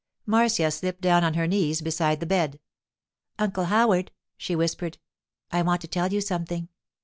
Marcia slipped down on her knees beside the bed. 'Uncle Howard,' she whispered, 'I want to tell you something.